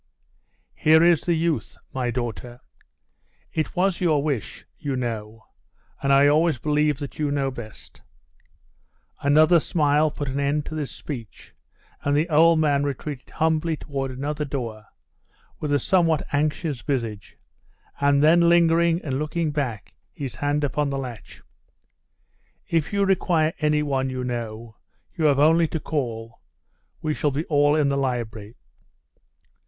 'Here is the youth, my daughter. It was your wish, you know; and I always believe that you know best ' Another smile put an end to this speech, and the old man retreated humbly toward another door, with a somewhat anxious visage, and then lingering and looking back, his hand upon the latch 'If you require any one, you know, you have only to call we shall be all in the library.